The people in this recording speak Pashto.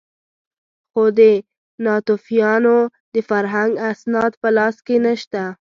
خو د ناتوفیانو د فرهنګ اسناد په لاس کې نه شته.